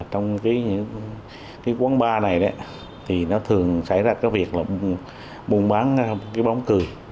trong quán bar này thường xảy ra việc buôn bán bóng cười